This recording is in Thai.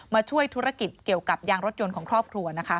มาช่วยธุรกิจเกี่ยวกับยางรถยนต์ของครอบครัวนะคะ